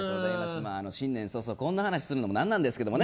新年早々こんな話するのもなんですけどね。